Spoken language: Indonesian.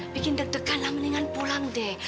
bikin deg deganlah mendingan pulang deh